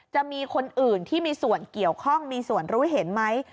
จะมีคนอื่นที่มีส่วนเกี่ยวข้องมีส่วนรู้เห็นไหม